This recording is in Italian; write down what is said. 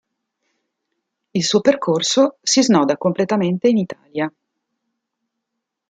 Il suo percorso si snoda completamente in Italia.